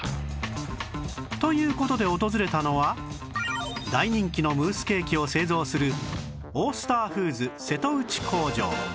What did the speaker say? という事で訪れたのは大人気のムースケーキを製造するオースターフーズ瀬戸内工場